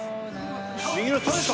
右のストレート！